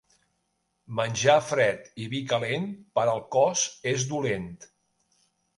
Menjar fred i vi calent, per al cos és dolent.